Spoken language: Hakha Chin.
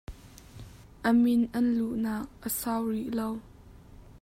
A min an luhnak a sau rih lo.